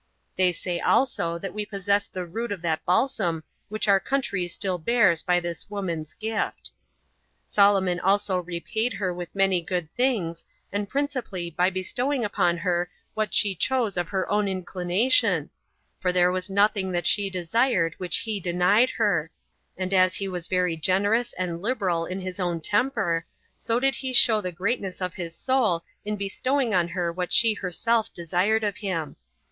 (They say also that we possess the root of that balsam which our country still bears by this woman's gift.) 17 Solomon also repaid her with many good things, and principally by bestowing upon her what she chose of her own inclination, for there was nothing that she desired which he denied her; and as he was very generous and liberal in his own temper, so did he show the greatness of his soul in bestowing on her what she herself desired of him.